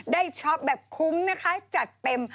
ช็อปแบบคุ้มนะคะจัดเต็ม